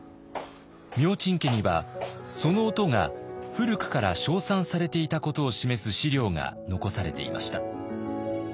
明珍家にはその音が古くから称賛されていたことを示す史料が残されていました。